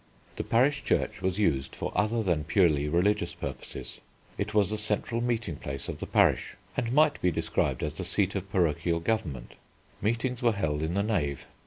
The parish church was used for other than purely religious purposes. It was the central meeting place of the parish, and might be described as the seat of parochial government. Meetings were held in the Nave.